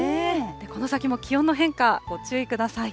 この先も気温の変化、ご注意ください。